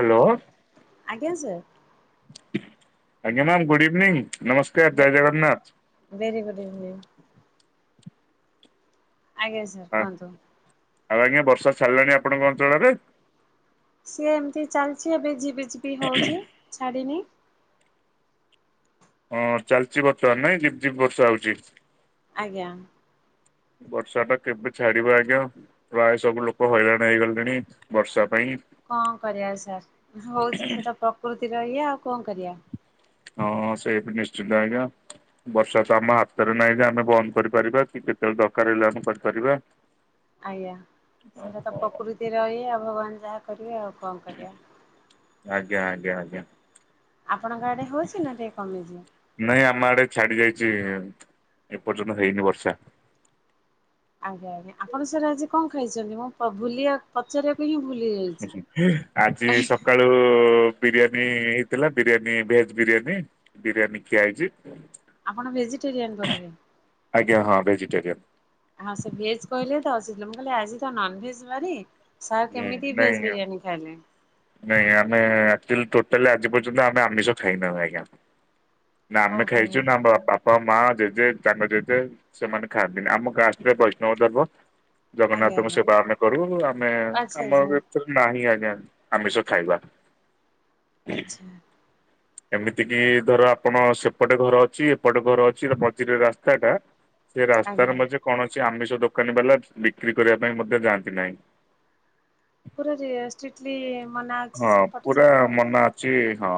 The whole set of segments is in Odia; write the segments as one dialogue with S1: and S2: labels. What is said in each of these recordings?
S1: ହାଲୋ।
S2: ଆଜ୍ଞା ସାର୍।
S1: ଆଜ୍ଞା ମ୍ୟାମ ଗୁଡ ଇଭିନିଂ ନମସ୍କାର
S2: ଭେ
S1: ଜୟ ଜଗନ୍ନାଥ।
S2: Very good evening. ଆଜ୍ଞା ସାର୍
S1: ହଁ
S2: କୁହନ୍ତୁ।
S1: ଆଉ ଆଜ୍ଞା ବର୍ଷା ଛାଡିଲାଣି ଆପଣଙ୍କ ଅଞ୍ଚଳରେ?
S2: ସିଏ ଏମିତି ଚାଲିଛି ଏବେ ଯିବି ଯିବି ହଉଛି ଛାଡିିନି।
S1: ହଁ ଚାଲିଚି ବର୍ତ୍ତମାନ ନାଇଁ ଝିପି ଝିପି ବର୍ଷା ହଉଛି।
S2: ଆଜ୍ଞା।
S1: ବର୍ଷା ଟା କେବେ ଛାଡିବ ଆଜ୍ଞା? ପ୍ରାୟ ସବୁ ଲୋକ ହଇରାଣ ହେଇଗଲେଣି ବର୍ଷା ପାଇଁ।
S2: କଣ କରିବା ସାର୍ ହଉଛି ସେଟା ପ୍ରକୃତିର ଇଏ ଆଉ କଣ କରିବା?
S1: ହଁ ସେଇଟା ନିଶ୍ଚିତ ଆଜ୍ଞା। ବର୍ଷା ତ ଆମ ହାତରେ ନାହିଁ ଯେ ଆମେ ବନ୍ଦ କରିପାରିବା କି କେତେବେଳେ ଦରକାର ହେଲେ ଆମେ କରିପାରିବା।
S2: ଆଜ୍ଞା ସେଟା ତ
S1: ଓହୋ
S2: ପ୍ରକୃତି ଇଏ ଆଉ ଭଗବାନ ଯାହା କରିବେ ଆଉ କଣ କରିବା।
S1: ଆଜ୍ଞା ଆଜ୍ଞା ଆଜ୍ଞା।
S2: ଆପଣଙ୍କ ଆଡେ ହଉଛି ନା ଟିକେ କମିଯିବ।
S1: ନାଇଁ ଆମ ଆଡେ ଛାଡି ଯାଇଛି ଏପର୍ଯ୍ୟନ୍ତ ହେଇନି ବର୍ଷା।
S2: ଆଜ୍ଞା ଆଜ୍ଞା ଆପଣ ସାର୍ ଆଜି କଣ ଖାଇଛନ୍ତି ମୁଁ ବୁଲିିବା ପଚାରିବାକୁ ହିଁ ଭୁଲି ଯାଇଚି ଆଁହ।
S1: ଯୋଉ ବିରିୟାନୀ ହେଇଥିଲା ବିରିୟାନୀ ଭେଜ ବିରିୟାନୀ। ବିରିୟାନୀ ଖିଆ ହେଇଚି।
S2: ଆପଣ ଭେଜିଟେରିୟାନ୍ ବୋଧେ?
S1: ଆଜ୍ଞା ହଁ ଭେଜିଟେରିୟାନ୍।
S2: ହଁ ସେ ଭେଜ କହିଲେ ତ ସେଥିଲା ମୁଁ କହିଲି ଆଜି ତ ନନ ଭେଜ ବାରି ସାର୍
S1: ହୁଁ
S2: କେମିତି
S1: ନାଇଁ
S2: ଭେଜ ବିରିୟାନୀ ଖାଇଲେ?
S1: ନାଇଁ ଆମେ ଆକ୍ଚ୍ୟୁଲି ଟୋଟାଲି ଆଜି ପର୍ଯ୍ୟନ୍ତ ଆମେ ଆମିଷ ଖାଇନା ନାହୁଁ ଆଜ୍ଞା। ନା ଆମେ
S2: ଓହୋ
S1: ଖାଇଚୁ ନା ଆମ ବାପା, ମାଆ, ଜଜେ ତାଙ୍କ ଜେଜେ ସେମାନେ ଖାଆନ୍ତି ନି ଆମ କାଷ୍ଟ ରେ ବୈଷ୍ଣବ ଧର୍ମ
S2: ଆଜ୍ଞା
S1: ଜଗନ୍ନାଥଙ୍କ ସେବା ଆମେ କରୁ ଆମେ
S2: ଆଜ୍ଞା ଆଚ୍ଛା
S1: ଆମ
S2: ଆଚ୍ଛା
S1: ଏଥିରେ ନାହିଁ ଆଜ୍ଞା। ଆମିଷ ଖାଇବା।
S2: ଆଚ୍ଛା।
S1: ଏମିତି କିି ଧର ଆପଣ ସେପଟେ ଘର ଅଛି ଏପଟେ ଘର ଅଛି ମଝିରେରେ ରାସ୍ତା ଟା। ସେ
S2: ଆଜ୍ଞା
S1: ରାସ୍ତାରେ ମଧ୍ୟ କୌଣସି ଆମିଷ ଦୋକାନୀ ବାଲା ବିକ୍ରି କରିବା ପାଇଁ ମଧ୍ୟ ଯାଆନ୍ତି ନାହିଁ।
S2: ପୁରା ରିୟାଷ୍ଟିଟ୍ଲି ମନା ଅଛି ସେପଟ ସାଇଟ୍ ଟା।
S1: ଚି ହଁ।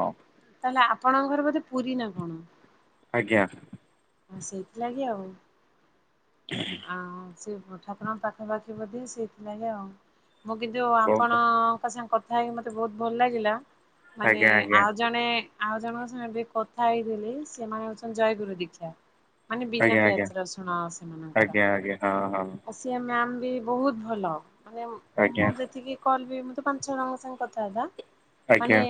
S2: ତାହେଲେ ଆପଣଙ୍କର ଘର ବୋଧେ ପୁରୀ ନା କଣ?
S1: ଆଜ୍ଞା।
S2: ହଁ ସେଇଥିଲାଗି ଆଉ।
S1: ହୁଁ
S2: ଆଁଉ ସେଇ ଠାକୁରଙ୍କ ପାଖାପାଖି ବୋଧେ ସେଇଥିଲାଗି ଆଉ। ମୁଁ କିନ୍ତୁ ଆପଣଙ୍କ ସାଙ୍ଗେ କଥା ହେଇକି ମତେ ବହୁତ ଭଲ ଲାଗିଲା। ମାନେ
S1: ଆଜ୍ଞା ଆଜ୍ଞା।
S2: ଆଉ ଜଣେ ଆଉ ଜଣଙ୍କ ସାଙ୍ଗରେ ବି କଥା ହେଇଥିଲି ସେମାନେ ହଉଚନ୍ତି ଜୟଗୁରୁ ଦୀକ୍ଷା। ମାନେ ବିନା
S1: ଆଜ୍ଞା ଆଜ୍ଞା
S2: ପିଆଜ ରସୁଣ ସେମାନେ।
S1: ଆଜ୍ଞା ଆଜ୍ଞା ହଁ ହଁ।
S2: ସିଏ ମ୍ୟାାମ ବି ବହୁତ ଭଲ ମାନେ
S1: ଆଜ୍ଞା
S2: ମୁଁ ଯେତିକି କଲ ବି ମୁଁ ତ ପାଞ୍ଚ ଛଅ ଜଣଙ୍କ ସାଙ୍ଗେ କଥାବାର୍ତ୍ତା।
S1: ଆଜ୍ଞା
S2: ମାନେ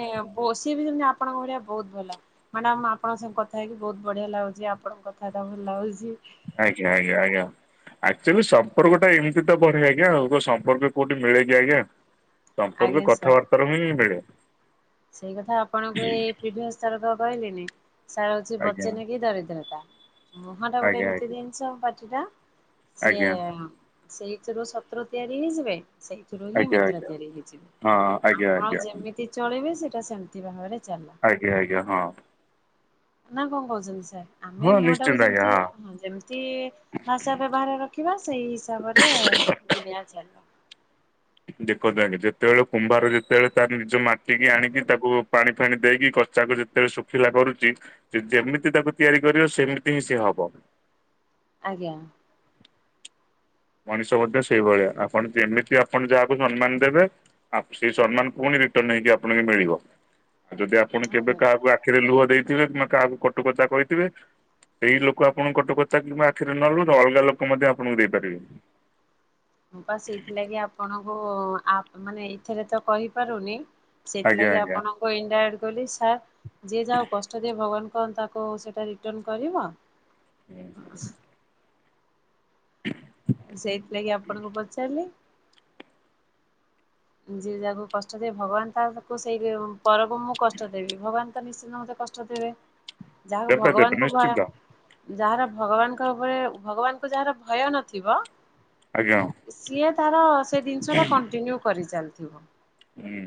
S2: ଓ ସିଏ ବି ସେମତି ଆପଣଙ୍କ ଭଳିଆ ବହୁତ ଭଲ। ମ୍ୟାଡମ ମୁଁ ଆପଣଙ୍କ ସାଙ୍ଗେ କଥା ହେଇକି ବହୁତ ବଢିଆ ଲାଗୁଚି। ଆପଣଙ୍କ କଥା ବାର୍ତ୍ତା ଭଲ ଲାଗୁଚି।
S1: ଆଜ୍ଞା ଆଜ୍ଞା ଆଜ୍ଞା। ଆକ୍ଚ୍ୟୁଆଲି ସମ୍ପର୍କ ଟା ଏମିତି ତ ବଢେ ଆଜ୍ଞା ଆଉ। କଣ ସମ୍ପର୍କ କୋଉଠି ମିଳେ କି ଆଜ୍ଞା? ସମ୍ପର୍କ
S2: ଆଜ୍ଞା ସାର୍
S1: କଥାବାର୍ତ୍ତାରୁ ହିଁଁ ମିଳେ।
S2: ସେଇ କଥା ଆପଣଙ୍କୁ ଏଇ ପ୍ରିଭିୟସ ଥରକ କହିଲିନି? ଶାଳା ଚେ
S1: ଆଜ୍ଞା
S2: ବଚନେ କେ ଦରିଦ୍ରତା ମୁହଁ ଟା ଗୋଟେ
S1: ଆଜ୍ଞା
S2: ଏମିତି
S1: ଆଜ୍ଞା
S2: ଜିନିଷ ପାଟି ଟା ସିଏ
S1: ଆଜ୍ଞା
S2: ସେଇଥିରୁ ଶତ୍ରୁ ତିଆରି ହେଇଯିବେ। ସେଇଥିରୁ ହିଁ
S1: ଆଜ୍ଞା
S2: ମିତ୍ର
S1: ଆଜ୍ଞା।
S2: ତିଆରି ହେଇଯିବେ।
S1: ହଁ ଆଜ୍ଞା
S2: ଆପଣ ଯେମିତି ଚଳେଇବେ ସେଇଟା ସେମିତି ଭାବରେ ଚାଲ
S1: ଆଜ୍ଞା ଆଜ୍ଞା ହଁ।
S2: ନା କଣ କହୁଚନ୍ତି ସାର୍ ଆମେ
S1: ହଁ
S2: ମୁହଁ ଟାକୁ
S1: ନିଶ୍ଚିନ୍ତ ଆଜ୍ଞା
S2: ଯେମତି ହଁ ଯେମତି ଭାଷା ବ୍ୟବହାର ରଖିବା ସେଇ ହିସାବରେ ଦୁନିଆ ଚାଲି
S1: ଦେଖନ୍ତୁ ଆଜ୍ଞା ଯେତେବେଳେ କୁମ୍ଭାର ଯେତେବେଳେ ତାର ନିଜ ମାଟିିକି ଆଣିକି ତାକୁ ପାଣି ଫାଣି ଦେଇକି କଚାକୁ ଯେତେବେଳେ ଶୁଖିଲା କରୁଚି। ଯେ ଯେମିତି ତାକୁ ତିଆରି କରିବ ସେମିତି ହିଁ ସିଏ ହବ।
S2: ଆଜ୍ଞା।
S1: ମଣିଷ ମଧ୍ୟ ସେଇଭଳିଆ ଆପଣ ଯେମିତି ଆପଣ ଯାହାକୁ ସମ୍ମାନ ଦେବେ। ଆପ୍ ସେଇ ସମ୍ମାନ ପୁଣି ରିଟର୍ଣ ହେଇକି ଆପଣଙ୍କୁ ମିଳିବ। ଆଉ ଯଦି ଆପଣ
S2: ହଁ
S1: କେବେ କାହାକୁ ଆକ୍ ଆଖିରେ ଲୁହ ଦେଇଥିବେ କିମ୍ବା କାହାକୁ କଟୁକଥା କହିଥିବେ ସେଇ ଲୋକ ଆପଣ କଟୁ କଥା କିମ୍ବା ଆଖିରେ ନ ଲୁହ ଅଲଗା ଲୋକ ମଧ୍ୟ ଆପଣଙ୍କୁ ଦେଇପାରିବେ।
S2: ହଁ ବା ସେଇଥିଲାଗି ଆପଣଙ୍କୁ ଆପ୍ ମାନେ ଏଥିରେ ତ କହିପାରୁନି।
S1: ଆଜ୍ଞା
S2: ସେଥିଲାଗି
S1: ଆଜ୍ଞା
S2: ଆପଣଙ୍କୁ ଇନ୍ଦାରେକ୍ଟ୍ କହିଲି ସାର୍ ଯିଏ ଯାହକୁ କଷ୍ଟ ଦିଏ ଭଗବାନ କଣ ତାକୁ ସେଟା ରିଟର୍ଣ କରିବ?
S1: [inaudible]
S2: ସେଇଥିଲାଗି ଆପଣଙ୍କୁ ପଚାରିଲି ଯିଏ ଯାହାକୁ କଷ୍ଟ ଦିଏ ଭଗବାନ ତାକୁ ସେଇ ପରକୁ ମୁଁ କଷ୍ଟ ଦେବି ଭଗବାନ ତ ନିଶ୍ଚିନ୍ତ ମତେ କଷ୍ଟ କଷ୍ଟ ଦେବେ ଯାହାକୁ
S1: ଦେବେ ଦେବେ
S2: ଭଗବାନଙ୍କୁ ଭୟ
S1: ନିଶ୍ଚିତ
S2: ଯାହାର ଭଗବାନଙ୍କ ଉପରେ ଭଗବାନଙ୍କୁ ଯାହାର ଭୟ ନଥିବ
S1: ଆଜ୍ଞା ହଁ।
S2: ସିଏ ତାର ସେ ଜିନିଷ ଟା କଣ୍ଟିନ୍ୟୁ କରି ଚାଲିଥିବ।
S1: ହୁଁ।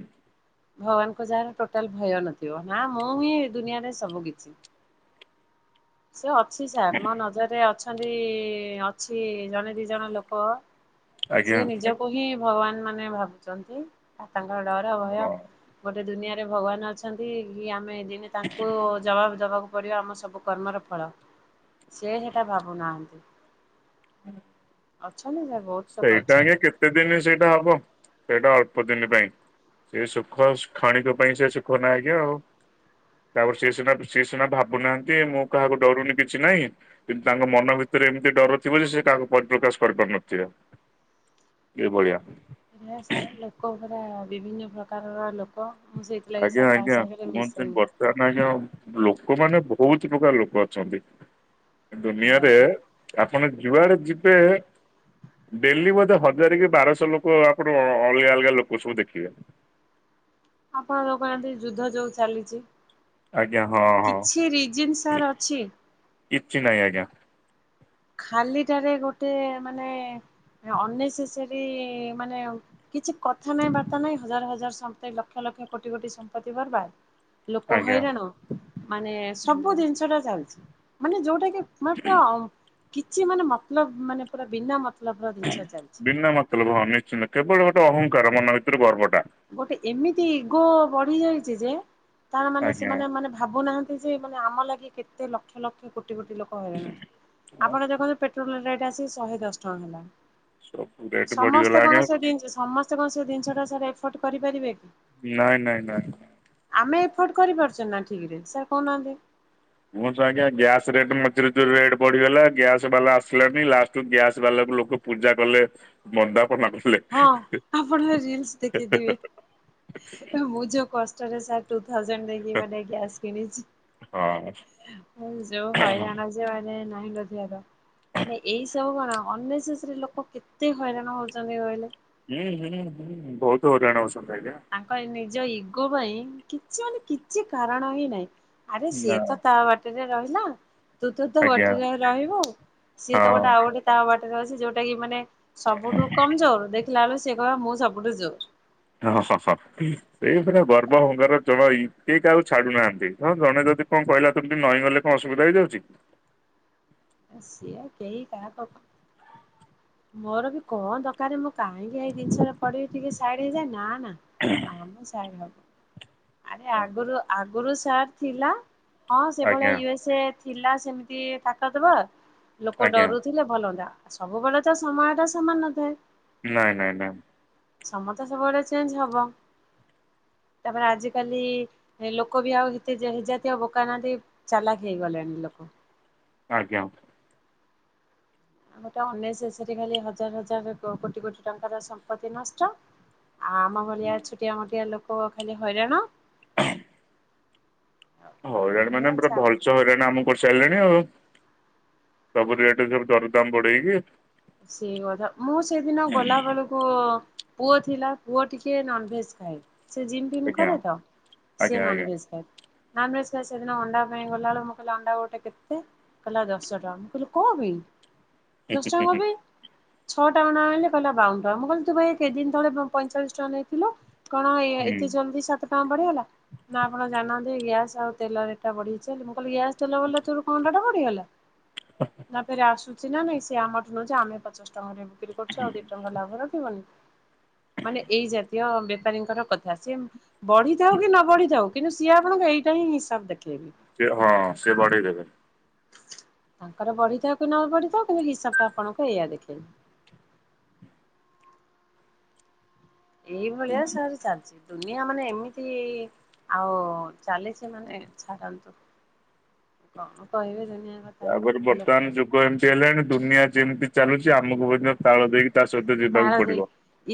S2: ଭଗବାନଙ୍କ ଯାହାର ଟୋଟାଲ ଭୟ ନଥିବ ନା ମୁଁ ହିଁ ଦୁନିଆରେ ସବୁ କିଛି ସେ ଅ ଅଛି ସାର୍ ମୋ ନଜରରେ ଅଛନ୍ତି ଇ ଅଛି ଜଣେ ଦିଜଣ ଲୋକ
S1: ଆଜ୍ଞା
S2: ସିଏ ନିଜକୁ ହିଁ ଭଗବାନ ମାନେ ଭାବୁଛନ୍ତି ଆଉ ତାଙ୍କର ଡର ଭୟ
S1: ହଁ।
S2: ଗୋଟେ ଦୁନିଆରେ ଭଗବାନ ଅଛନ୍ତି କି ଆମେ ଦିନେ ତାଙ୍କୁ ଜବାବ ଦବାକୁ ପଡିବ ଆମ ସବୁ କର୍ମର ଫଳ ସିଏ ସେଟା ଭାବୁନାହାନ୍ତି
S1: ହୁଁ [unintelligible]
S2: ଅଛନ୍ତି [unintelligible] ନ
S1: ସେଇଟା ଆଜ୍ଞା କେତେ ଦିନ ସେଇଟା ହବ ସେଇଟା ଅଳ୍ପ ଦିନ ପାଇଁ ସେ ସୁଖ କ୍କ୍ଷଣିକ ପାଇଁ ସେ ସୁଖ ନାଁ ଆଜ୍ଞା ଆଉ ତାପରେ ସିଏ ସିନା ସିଏ ସିନା ଭାବୁନାହାନ୍ତି ମୁଁ କାହାକୁ ଡରୁନି କିଛି ନାହିଁ କିନ୍ତୁ ତାଙ୍କ ମନ ଭିତରେ ଏମିତି ଡର ଥିବ ଯେ ସେ କାହାକୁ ପରିପ୍ରକାଶ କରିପାରୁ ନଥିବେ କେ ଭଳିଆ
S2: ସେ ସାର୍ ଲୋକପରା ବିଭିନ୍ନ ପ୍ରକାରର ଲୋକ କହ ମୁଁ ସେଇଥିଲାଗି ସାର୍ କାହା ସାଙ୍ଗରେ ମିଶେନି
S1: ନାହିଁ ଆଜ୍ଞା ଲୋକମାନେ ବହୁତ ପ୍ରକାର ଲୋକ ଅଛନ୍ତି ଏ ଦୁନିଆରେ
S2: ଆଜ୍ଞା
S1: ଆପଣ ଜୁଆଡେ ଯିବେ ଡେଲି ବୋଧେ ହଜାର କି ବାରଶହ ଲୋକ ଆପଣ ଅଲଗା ଅଲଗା ଲୋକ ସବୁ ଦେଖିବେ
S2: ଆପଣ ଯୋଉ କରନ୍ତି ଯୁଦ୍ଧ ଯୋଉ ଚାଲିଛି
S1: ଆଜ୍ଞା ହଁ ହଁ
S2: କିଛି ରିଜିନ୍ ସାର୍ ଅଛି?
S1: କିଛି ନାହିଁ ଆଜ୍ଞା।
S2: ଖାଲିଟାରେ ଗୋଟେ ମାନେ ଅନେସେରୀ ମାନେ କିଛି କଥା ନାଇଁ ବାର୍ତ୍ତା ନାଇଁ ହଜାର ହଜାର ସମ୍ପତ୍ତି ଲକ୍ଷ ଲକ୍ଷ କୋଟି କୋଟି ସମ୍ପତ୍ତି ବରବାଦ ଲୋକ
S1: ଆଜ୍ଞା।
S2: ହଇରାଣ ମାନେ ସବୁ ଜିନିଷ ଟା ଚାଲିଛି ମାନେ ଯୋଉଟା କି [unintelligible] କିଛି ମାନେ ମତଲବ ମାନେ ପୁରା ବିନା ମତଲବର ଜିନିଷ ଚାଲିଛି।
S1: ବିନା ମତଲବ ହଁ ନିଶ୍ଚିନ୍ତ କେବଳ ଗୋଟେ ଅହଂଙ୍କାର ମନ ଭିତରେ ଗର୍ବଟା
S2: ଗୋଟେ ଏମିତି ଇଗୋ ବଢି ଯାଇଛି ଯେ ତାର ମାନେ
S1: ଆଜ୍ଞା।
S2: ସେମାନେ ମାନେ ଭାବୁନାହାନ୍ତି ମାନେ ଆମ ଲାଗି କେତେ ଲକ୍ଷ ଲକ୍ଷ କୋଟି କୋଟି ଲୋକ ହଇରାଣ
S1: ହଁ
S2: ଆପଣ ଦେଖନ୍ତୁ ପେଟ୍ରୋଲରେ ରେଟ ଆସି ଶହେଦଶ ଟଙ୍କା ହେଲା
S1: ସବୁ ରେଟ୍
S2: ସମସ୍ତେ
S1: ବଢିଗଲା
S2: କଣ
S1: ଆଜ୍ଞା
S2: [unintelligible] ସେଠ କଣସେ ଜିନିଷଟା ସେ ଏଫୋର୍ଟ କରିପାରିବେ କି?
S1: ନାଇଁ ନାଇଁ ନାଇଁ।
S2: ଆମେ ଏଫୋର୍ଟ କରିପାରୁଛ ନା ଠିକ୍ ରେ ସାର୍ କହୁନାହାନ୍ତି
S1: ମୁଁ ତ ଆଜ୍ଞା ଗ୍ୟାସ୍ ରେଟ୍ ମଝିରେ ଯୋଉ ରେଟ୍ ବଢିଗଲା ଗ୍ୟାସ ବାଲା ଆସିଲାଣିି ଲାଷ୍ଟୁ ଗ୍ୟାସ୍ ବାଲାକୁ ଲୋକ ପୂଜା କଲେ ମନ୍ଦାପନା କଲେ
S2: ହଁ ଆପଣ ରିଲସ୍ ଦେଖେଇଥିବେ ମୁଁ ଯୋଉ କଷ୍ଟରେ ସାର୍ ଟୁ ଥାଉଜେଣ୍ଡ୍ ଦେଇକି ମାନେ ଗ୍ୟାସ କିଣିଛି
S1: ହଁ
S2: ମୁଁ ଯୋଉ ହଇରାଣ ସେ ମାନେ ନାହିଁ ନଥିବାର ମାନେ ଏଇ ସବୁ କଣ ଅନ୍ ନେସେସେରି ଲୋକ କେତେ ହଇରାଣ ହଉଛନ୍ତି କହିଲେ?
S1: ହୁଁ ହୁଁ ହୁଁ ହୁଁ ବହୁତ ହଇରାଣ ହଉଛନ୍ତି ଆଜ୍ଞା
S2: ତାଙ୍କ ନିଜ ଇଗୋ ପାଇଁ କିଛି ମାନେ କିଛି କାରଣ ହିଁ ନାହିଁ ଆରେ ସିଏ
S1: ନା
S2: ତ ତା ବାଟରେ ରହିଲା। ତୁ ତ ତୋ
S1: ଆଜ୍ଞା
S2: ବାଟରେ ରହିବୁ ସିଏ ତ
S1: ହଁ
S2: ଗୋଟେ ଆଉ ଗୋଟେ ତା ବାଟରେ ଅଛି ଯୋଉଟା କି ମାନେ ସବୁଠୁ କମଜୋର ଦେଖିଲା ବେଳକୁ ସିଏ କହିବ ମୁଁ ସବୁଠୁ ଜୋର
S1: ହଁ ହଁ ହଁ। ସେଇପରା ଗର୍ବ ଅହଂକାର ଜମା ବି କେହି କାହାକୁ ଛାଡୁନାହାନ୍ତି ହଁ ଜଣେ ଯଦି କଣ କହିଲା ତୁ ଟିକେ ନଈଁ ଗଲେ କଣ ଅସୁବିଧା ହେଇଯାଉଛି?
S2: ଅଁ ସେୟା କେହି କାହାକୁ। ମୋର ବି କଣ ଦରକାରେ? ମୁଁ କାହିଁକି ଏଇ ଜିନିଷରେ ପଡିବି ଟିକେ ସାଇଡ ହେଇଯାଏ ନା ନା ଆମେ ସାଇଡ ହବୁନ ଆରେ ଆଗରୁ ଆଗରୁ ସାର୍ ଥିଲା। ହଁ ସେଭଳିଆ
S1: ଆଜ୍ଞା
S2: ୟୁ ଏସ ଏ ଥିଲା ସେମିତି ତାକତବର୍। ଲୋକ
S1: ଆଜ୍ଞା
S2: ଡରୁଥିଲେ ଭଲ ହନ୍ତା ସବୁବେଳେ ତ ସମୟ ଟା ସମାନ ନଥାଏ।
S1: ନାଇଁ ନାଇଁ ମ୍ୟାମ।
S2: ସମସ୍ତେ ସେଭଳିଆ ଚେଞ୍ଜ ହବ ତାପରେ ଆଜିିକାଲି। ହେ ଲୋକ ବି ଆଉ ହେତେ ଯେ ହେ ଜାତିଆ ବୋକା ନାହାନ୍ତି ଚାଲାକ ହେଇଗଲେଣି ଲୋକ।
S1: ଆଜ୍ଞା।
S2: ଆମର ତ ଅନନେସେସେରି ଖାଲି ହଜାର ହଜାର କ-କୋଟି କୋଟି ଟଙ୍କାର ସମ୍ପତ୍ତି ନଷ୍ଟ। ଆ ଆମ ଭଳିଆ ଛୋଟିଆ ମୋଟିଆ ଲୋକ ଖାଲି ହଇରାଣ।
S1: ହୁ ହଇରାଣ ମାନେ
S2: ଏଇଭଳିଆ
S1: ପୁରା
S2: ଚା
S1: ଭଲ ଚ ହଇରାଣ ଆମକୁ କରିସାରିଲେଣି ଆଉ ସବୁ ରେଟ ସବୁ ଦରଦାମ୍ ବଢେଇକି।
S2: ସେଇ କଥା ମୁଁ ସେ ଦିନ ଗଲାବେଳ ପୁଅ ପୁଅ ଥିଲା ପୁଅ ଟିକେ ନନଭେଜ ଖାଏ। ସେ ଜିମ୍ ଫିମ୍
S1: ଆଜ୍ଞା
S2: କରେ ତ ସିଏ
S1: ଆଜ୍ଞା ଆଜ୍ଞା
S2: ନନଭେଜ ଖାଏ। ନନଭେଜ ଖାଏ ସେଦିନ ଅଣ୍ଡା ପାଇଁ ଗଲାବେଳକୁ ମୁଁ କହିଲି ଅଣ୍ଡା ଗୋଟେ କେ‌ତେ? କହିଲା ଦଶା ଟଙ୍କା। ମୁଁ କହିଲି କଣ ପାଇଁ? ଦଶ ଟଙ୍କା
S1: ହୁଁ ହୁଁ
S2: କଣ ପାଇଁ ଛଅଟା ଅଣ୍ଡା ଆଣିଲି କହିଲା ବାଉନ ଟଙ୍କା ମୁଁ କହିଲି ତୁ ପା ଏଇ କେତେଦିନ ତଳେ ପ-ପଇଁଚାଳିଶ ଟଙ୍କା ନେଇଥିଲୁ। କଣ
S1: ହୁଁ।
S2: ଏ-ଏତେ ଜଲ୍ଦି ସାତ ଟଙ୍କା ବଢ଼ିଗଲା? ନା ଆପଣ ଜାଣିନାହାନ୍ତି କି ଗ୍ୟାସ୍ ଆଉ ତେଲ ରେଟ୍ ଟା ବଢିଯାଇଛି ବୋଲି ମୁଁ କହିଲି ଗ୍ୟାସ୍, ତେଲ ବଢିଲା ତୋର କଣ ଅଣ୍ଡା ଟା ବଢିଗଲା? ନା ଫେରେ ଆସୁଛି ନା ନାଇଁ ସିଏ ଆମଠୁ ନଉଚି ଆମେ ପଚାଶ ଟଙ୍କାରେ ବିକ୍ରି କରୁଚୁ ଆଉ ଦି ଟଙ୍କା ଲାଭ ରଖିବନି। ମାନେ ଏଇ ଜାତୀୟ ବେପାରୀଙ୍କର କଥା ସିମ୍ ବଢିଥାଉ କି ନ ବଢିଥାଉ। କିନ୍ତୁ ସିଏ ଆପଣଙ୍କୁ ଏଇଟା ହିଁ ହିସାବ ଦେଖେଇବି।
S1: ସେ ହଁ ସେ ବଢ଼େଇ ଦେବେ।
S2: ତାଙ୍କର ବଢିଥାଉ କି ନ ବଢିଥାଉ କିନ୍ତୁ ହିସାବ ଟା ଆପଣଙ୍କୁ ଏଇଆ ଦେଖେଇବେ। ଏଇଭଳିଆ ସାର ଚାଲିଚି। ଦୁନିଆ ମାନେ ଏମିତି ଆଉ ଚାଲିଛି ମାନେ ଛାଡ଼ନ୍ତୁ। କଣ କହିବେ ଦୁନିଆ କଥା
S1: ତାପରେ
S2: ଲୋକ
S1: ବର୍ତ୍ତମାନ ଯୁଗ ଏମିତି ହେଲାଣି ଦୁନିଆ ଯେମିତି ଚାଲୁଛି ଆମକୁ ମଧ୍ୟ ତାଳ ଦେଇକି ତା ସହିତ ଯି
S2: ତାଳ ଦେଇ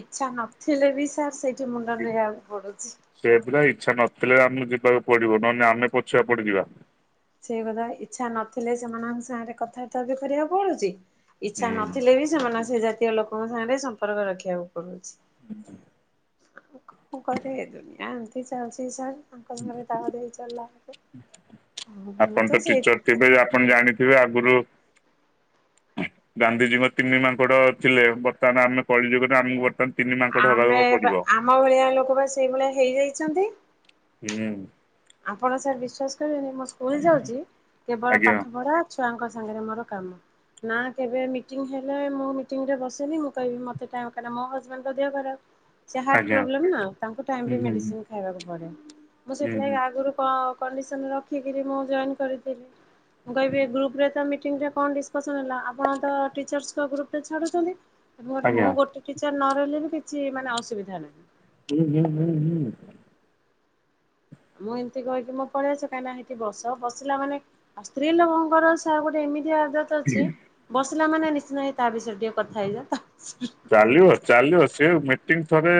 S2: ଇଚ୍ଛା ନଥିଲେ ବି ସାର୍ ସେଇଠି ମୁଣ୍ଡ ନଇଁବାକୁ ପଡୁଛି।
S1: ସେୟା ପରା ଇଚ୍ଛା ନଥିଲେ ଆମକୁ ଯିବାକୁ ପଡିବ ନହନେ ଆମେ ପଛୁଆ ପଡିଯିବା।
S2: ସେଇ କଥା ଇଚ୍ଛା ନଥିଲେ ସେମାନଙ୍କ ସାଙ୍ଗରେ କଥାବାର୍ତ୍ତା ବି କରିବାକୁ ପଡୁଛି ଇଚ୍ଛା
S1: ହୁଁ
S2: ନଥିଲେ ବି ସେମାନ ସେ ଜାତୀୟ ଲୋକଙ୍କ ସାଙ୍ଗରେ ସମ୍ପର୍କ ରଖିବାକୁ ପଡୁଛି।
S1: [unintelligible]
S2: ଆଉ କଣ କରିବେ? ଦୁନିଆ ଏମିତି ଚାଲଛି ସାର୍ ତାଙ୍କ ସାଙ୍ଗରେ ତାଳ ଦେଇକି ଚାଲିଲା ବେଳକୁ ଆଉ ମୁଁ ତ ସେଇ
S1: କେବେ ଆପଣ ଜାଣିଥିବେ ଆଗରୁ। ଗାନ୍ଧିଜୀଙ୍କ ତିନି ମାଙ୍କଡ ଥିଲେ ବର୍ତ୍ତମାନ ଆମେ କଳି ଯୁଗରେ ଆମକୁ ବର୍ତ୍ତମାନ ତିନି ମାଙ୍କଡ ହବାକୁ
S2: ଆମେ ବା
S1: ପଡିବ।
S2: ଆମ ଭଳିଆ ଲୋକ ବା ସେଇଭଳିଆ ହେଇଯାଇଛନ୍ତି।
S1: ହୁଁ।
S2: ଆପଣ ସାର ବିଶ୍ଵାସ କରିବେନି ମୁଁ ସ୍କୁଲ ଯାଉଛି କେବଳ
S1: ଆଜ୍ଞା।
S2: ପାଠ ପଢା ଛୁଆଙ୍କ ସାଙ୍ଗରେ ମୋର କାମ। ନା କେବେ ମିଟିଂ ହେଲେ ମୁଁ ମିଟିଂରେ ବସେନି ମୁଁ କହିବି ମତେ ଟାଇ କାରଣ ମୋ ହଜବେଣ୍ଡଙ୍କ ଦେହ ଖରାପ ସେ ହାଟ୍
S1: ଆଜ୍ଞା
S2: ପ୍ରୋବ୍ଲେମ ନା ତାଙ୍କୁ ଟାଇମ୍
S1: ହୁଁ
S2: ରେ
S1: ହୁଁ
S2: ମେଡିସିନ
S1: ହୁଁ
S2: ଖାଇବାକୁ ପଡ଼େ ମୁଁ
S1: ହୁଁ
S2: ସେଥିଲାଗି ଆଗ ଆଗରୁ କ କଣ୍ଡିସନ୍ ରଖିକିରି ମୁଁ ଜଏନ୍ କରିଥିଲି। ମୁଁ କହିବି ଗ୍ରୁପରେ ତ ମିଟିଂରେ କଣ ଡିସକସନ୍ ହେଲା ଆପଣ ତ ଟିଚର୍ସଙ୍କ ଗ୍ରୁପ ରେ ଛାଡୁଚନ୍ତି ମୁଁ ହେଟି ମୁଁ
S1: ଆଜ୍ଞା
S2: ଗୋଟେ ଟିଚର ନ ରହିଲେ ବି କିଛି ମାନେ ଅସୁବିଧା ନାହିଁ।
S1: ହୁଁ ହୁଁ ହୁଁ ହୁଁ।
S2: ମୁଁ ଏମିତି କହିକି ମୁଁ ପଳେଇ ଆସେ କାହିଁକିନା ହେଠି ବସ ବସିଲା ମାନେ ଆଉ ସ୍ତ୍ରୀ ଲୋକଙ୍କର ସେ ଗୋଟେ ଏମିତି ଆଦତ ତ ଅଛି
S1: ହୁଁ।
S2: ବସିଲା ମାନେ ନିଶ୍ଚିୟ ହେଇ ତା ବିଷୟରେ ଟିକେ କଥା ହେଇଯା ତା ବିଷୟ ରେ
S1: ଚାଲିବ ଚାଲିବ ସିଏ ମିଟିଂ ଥରେ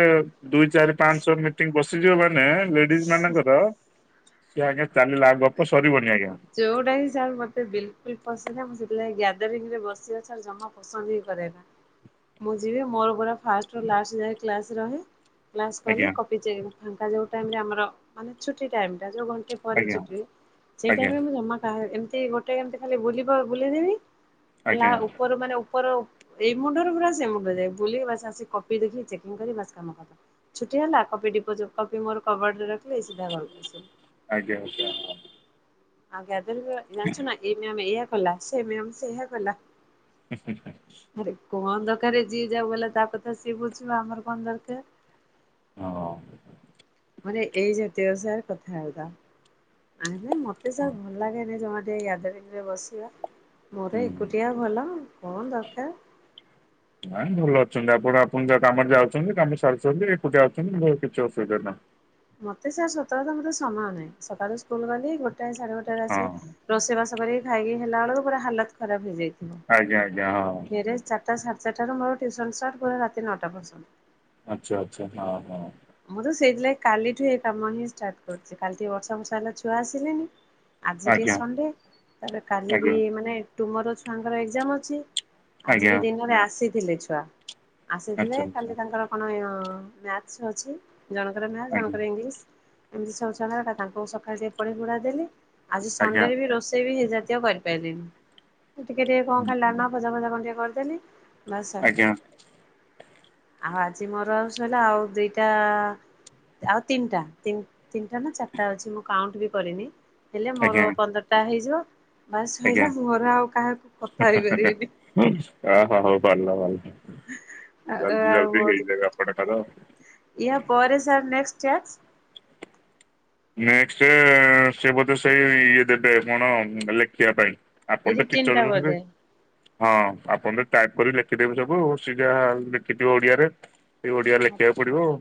S1: ଦୁଇ, ଚାରି, ପାଞ୍ଚ, ଛଅ ମିଟିଂ ବସ ସେ ଯଉ ମାନେ ଲେଡିଜ ମାନଙ୍କର ସିଏ ଆଜ୍ଞା ଚାଲିଲା ଗପ ସରିବନି ଆଜ୍ଞା।
S2: ଯୋଉଟା ହିଁ ସାର୍ ମତେ ବିଲକୁଲ ପସନ୍ଦ ନାହିଁ ମୁଁ ସେଥିଲାଗି ଗ୍ୟଦରିଙ୍ଗ ରେ ବସିବା ସାର୍ ଜମା ପ ସନ୍ଦ ନୁହଁ କରିବା ପାଇଁ ବିରେ ମୁଁ ଯିବି ମୋର ପୁର ଫାଷ୍ଟ ରୁ ଲାଷ୍ଟ ଯାଏଁ କ୍ଲାସରେ ରହେ କ୍ଲାସ କଲି
S1: ଆଜ୍ଞା
S2: କପ ଚେଞ୍ଜ ଫାଙ୍କା ଯୋଉ ଟାଇମରେ ଆମର ମାନେ ଛୁଟି ଟାଇମ୍ ଟା ଯୋଉ ଘଣ୍ଟେ ପରେ
S1: ଆଜ୍ଞା
S2: ଛୁଟି ସେ
S1: ଆଜ୍ଞା।
S2: ମୁଁ ଜମା କାହା ଏମିତି ଗୋଟେ ଏମତି ଖାଲି ବୁଲିବା ବୁଲେଇଦେବି ଲା
S1: ଆଜ୍ଞା
S2: ଉପର ମାନେ ଉପର ଏଇ ମୁଣ୍ଡରୁ ପୁରା ସେ ମୁଣ୍ଡ ଯାଏଁ ବୁଲିକି ବାସ ଆସିକି କପି ଦେଖିକି ଚେକିଂ କରିବି ବାସ କାମ ଖତମ୍। ଛୁଟି ହେଲା କପି ଡିପୋ କପି ମୋର କବଡରେ ରଖିଲି ସିଧା ଘର କୁ ଆସିଲି।
S1: ଆଜ୍ଞା ଆଜ୍ଞା।
S2: ଆଉ ଗ୍ୟାଦେରିଙ୍ଗ ରେ ଜାଣିଛୁ ନା ଏଇ ମ୍ୟାମ ଏଇଆ କଲା ସେ ମ୍ୟାମ ସେଇଆ କଲା
S1: ଆ
S2: ଆରେ କଣ ଦରକାର ଯିଏ ଯାଉ ବଲା ତା କଥା ସିଏ ବୁଝିବ ଆମର କଣ ଦରକାର
S1: ହଁ
S2: ମାନେ ଏଇ ଜାତୀୟ ସାର କଥା ବାର୍ତା ଆରେ ମତେ
S1: ହଁ
S2: ସାର୍ ଭଲ ଲାଗେନି ଯୋଉ ମୋତେ ଗ୍ୟାଦରିଙ୍ଗ ରେ ବସିବା
S1: ହୁଁ।
S2: ମୋର ଏକୁଟିଆ ଭଲ କଣ ଦରକାର
S1: ନାଇଁ ଭଲ ଅଛନ୍ତି ଆପଣ ଆପଣଙ୍କ କାମରେ ଯାଉଚନ୍ତି କାମ ସାରୁଚନ୍ତି ଏକୁଟିଆ ଆଉଚନ୍ତି କିଛି ଅସୁବିଧା ନାହିଁ।
S2: ମତେ ସାର୍ ସତ କଥା ମୋତେ ସମୟ ନାହିଁ ସକାଳୁ ସ୍କୁଲ ଗଲି ଗୋଟଏ ସାଢ଼େ ଗୋଟା ଆସି
S1: ହଁ
S2: ରୋଷେଇବାସ କରିକି ଖାଇକି ହେଲା ବେଳକୁ ପୁରା ହାଲତ ଖରାପ ହେଇଯାଇଥିବ।
S1: ଆଜ୍ଞା ଆଜ୍ଞା ହଁ।
S2: ଫେରେ ଚାରଟା ସାଢେ ଚାରିଟାରୁ ମୋର ଟ୍ୟୁସନ ଷ୍ଟାର୍ଟ ପୁରା ରାତି ନଅଟା ପର୍ଯ୍ୟନ୍ତ।
S1: ଆଛା ଆଛା ହଁ ହଁ।
S2: ମୁଁ ତ ସେଇଥିଲାଗ କାଲିଠୁ ଏ କାମ ହିଁ ଷ୍ଟାର୍ଟ କରୁଚି କାଲି ଟିକେ ବର୍ଷା ଫର୍ଷା ହେଲା ଛୁଆ ଆସିଲେନି ଆଜି ଟେ
S1: ଆଜ୍ଞା
S2: ସଣ୍ଡେ ତାପରେ କାଲି ବି
S1: ଆଜ୍ଞା
S2: ମାନେ ଟୁ ମୋର ଛୁଆଙ୍କର ଏଗଜାମ ଅଛି ଆଜି
S1: ଆଜ୍ଞା
S2: ବି ଦିନରେ ଆସିଥିଲେ ଛୁଆ ଆସିଥିଲେ
S1: ଆଚ୍ଛା ଆଚ୍ଛା
S2: କାଲି ତାଙ୍କର କଣ ମ୍ୟାଥ ଅଛି ଜଣଙ୍କର ମ୍ୟାଥ
S1: ଆଜ୍ଞା
S2: ଜଣଙ୍କର ଇଂଲିଶ ଏମିତି ସବୁ ଛୁଆଙ୍କର ଗଲା ତାଙ୍କୁ ସକାଳୁ ଟିକେ ପଢ଼େଇ ପୁଢା ଦେଲି ଆଜି
S1: ଆଜ୍ଞା।
S2: ସଣ୍ଡେରେ ବି ରୋଷେଇ ବି ହେଇ ଜାତୀୟ କରି ପାଇଲିନି ଟିକେ ଟିକେ କଣ ଖାଲା ଡାଲମା
S1: ଆଜ୍ଞା
S2: ଭଜା ଫଜା କଣ ଟିକେ କରିଦେଲି ବାସ ସଇଲା ଆଉ ଆଜି ମୋର ଆଉ ସଇଲା ଆଉ ଦିଟି ଟା ଆଉ ତିନିଟା ତିନିଟା ନା ଚାରିଟା ଅଛି ମୁଁ କାଉଣ୍ଟ ବି କରିନି ହେଲେ
S1: ଆଜ୍ଞା
S2: ମୋର ପନ୍ଦରଟା ହେଇଯିବ ବାସ
S1: ଆଜ୍ଞା
S2: ସଇଲା ମୁଁ ମୋର ଆଉ କାହାକୁ କଥା ହେଇପାରିବିନି।
S1: ଅହୋ ହଉ ତାହାଲେ ଭଲ ଜଲଦି
S2: ଆଉ
S1: ଜଲଦି
S2: ବହୁତ
S1: ହେଇଯବ ଆପଣଙ୍କର
S2: ୟା ପରେ ସାର୍ ନେକ୍ ଟାସ୍କ?
S1: ନେକ୍ସଟ ସେ ବୋଧେ ସେଇ ଇଏ ଦେବେ କଣ ଲେଖିବା ପାଇଁ ଆପଣ ତ
S2: ରିଟିନ୍ ଟା
S1: ଟିଚର
S2: ବୋଧେ।
S1: ରହୁଚନ୍ତି ହଁ ଆପଣ ତ ଟାଇପ କରି ଲେଖିଦେବେ ସବୁ ସେ ଯାହା ଲେଖିଥିବ ଓଡିଆରେ ସେ ଓଡିଆ ଲେଖକୁ ପଡିବ ଆଉ।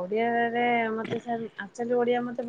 S2: ଓଡିଆରେ ମତେ ସାର ଆକଚୁଲି ଓଡିଆ ମତେ ଭଲ